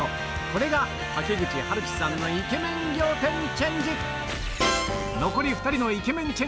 これが瀧口晴稀さんのイケメン仰天チェンジ